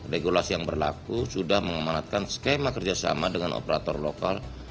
regulasi yang berlaku sudah mengemanatkan skema kerjasama dengan operator lokal